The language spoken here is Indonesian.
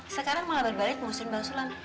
sekarang melabat balik musim bang sulam